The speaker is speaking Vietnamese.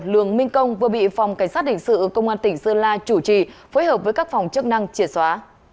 lường minh công vừa bị phòng cảnh sát hình sự công an tỉnh sơn la chủ trì phối hợp với các phòng chức năng triệt xóa